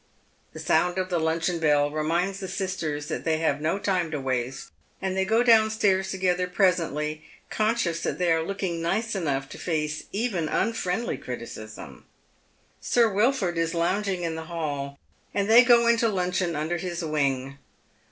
The sound of the luncheon bell reminds the sisters that they have no time to waste, and they go downstairs together presently, conscious that they are looking nice enough to face even un friendly criticism. Sir Wilford is lounging in tlie hall, and they go in to luncheon under his wing.